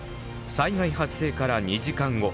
災害発生から２時間後。